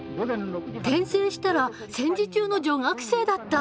転生したら戦時中の女学生だった。